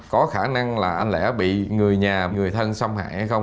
có khả năng là anh lẽ bị người nhà người thân xâm hại hay không